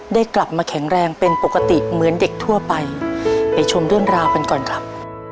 ได้กลับมาแข็งแรงเป็นปกติเหมือนเด็กทั่วไปไปชมเรื่องราวกันก่อนครับ